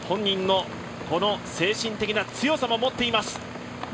そして本人のこの精神的な強さも持っています。